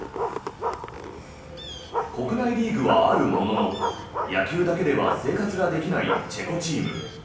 国内リーグはあるものの野球だけでは生活ができないチェコチーム。